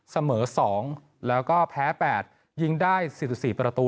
เสมอ๒แล้วก็แพ้๘ยิงได้๔๔ประตู